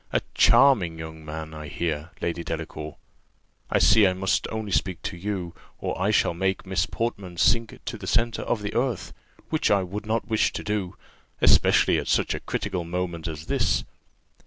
A charming young man, I hear, Lady Delacour: I see I must only speak to you, or I shall make Miss Portman sink to the centre of the earth, which I would not wish to do, especially at such a critical moment as this.